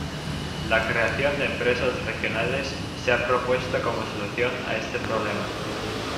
La creación de empresas regionales se ha propuesto como solución a este problema.